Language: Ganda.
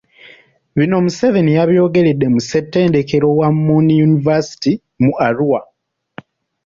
Bino, Museveni yabyogeredde ku ssettendekero wa Muni University mu Arua.